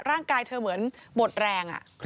ร่างกายเธอเหมือนหมดแรง